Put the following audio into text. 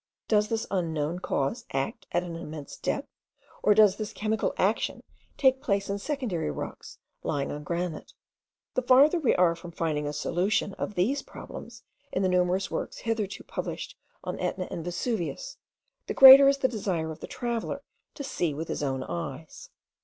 Does this unknown cause act at an immense depth; or does this chemical action take place in secondary rocks lying on granite? The farther we are from finding a solution of these problems in the numerous works hitherto published on Etna and Vesuvius, the greater is the desire of the traveller to see with his own eyes.